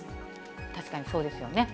確かにそうですよね。